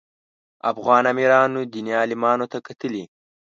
افغان امیرانو دیني عالمانو ته کتلي.